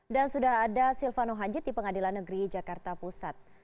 dan sudah ada silvano haji di pengadilan negeri jakarta pusat